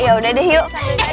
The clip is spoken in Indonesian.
yaudah deh yuk